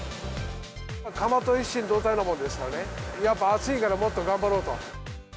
釜と一心同体なもんですからね、やっぱり暑いからもっと頑張ろうと。